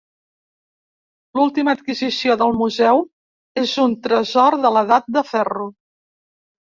L'última adquisició del museu és un tresor de l'Edat de Ferro.